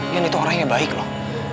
kan itu orang yang baik loh